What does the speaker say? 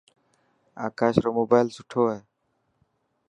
آڪاش رو موبائل سٺو هي.